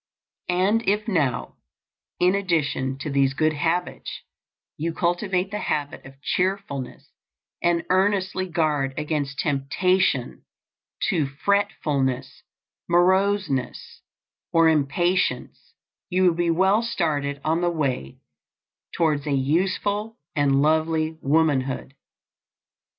And if now, in addition to these good habits, you cultivate the habit of cheerfulness and earnestly guard against temptation to fretfulness, moroseness, or impatience, you will be well started on the way towards a useful and lovely womanhood.